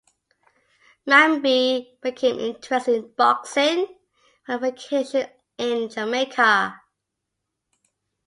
Mamby became interested in boxing while on vacation in Jamaica.